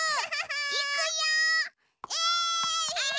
いくよえいっ！